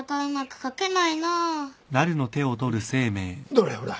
どれほら。